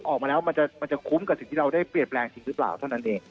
ออกมาแล้วมันจะคุ้มกับสิ่งที่เราได้เปลี่ยนแปลงจริงหรือเปล่าเท่านั้นเอง